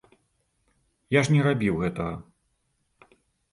Я ж не рабіў гэтага.